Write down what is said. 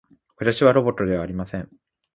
私はロボットではありません